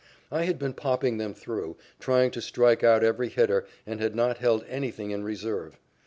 I had been popping them through, trying to strike out every hitter and had not held anything in reserve.